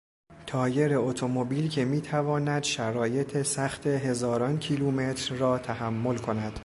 تایر اتومبیل که میتواند شرایط سخت هزاران کیلومتر را تحمل کند